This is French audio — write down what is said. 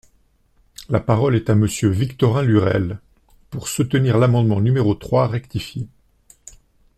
La parole est à Monsieur Victorin Lurel, pour soutenir l’amendement numéro trois rectifié.